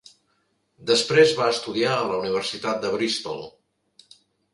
Després va estudiar a la Universitat de Bristol.